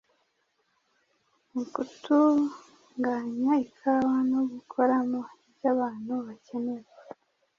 mu kutunganya ikawa no gukoramo ibyo abantu bakenera